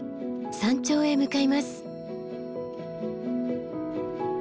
山頂へ向かいます。